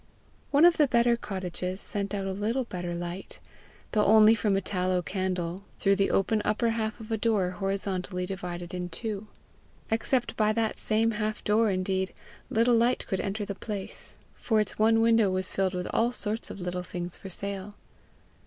One of the better cottages sent out a little better light, though only from a tallow candle, through the open upper half of a door horizontally divided in two. Except by that same half door, indeed, little light could enter the place, for its one window was filled with all sorts of little things for sale.